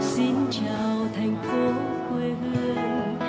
xin chào thành phố quê hương